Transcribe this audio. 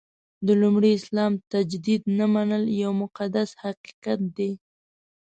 د لومړي اسلام تجدید نه منل یو مقدس حقیقت دی.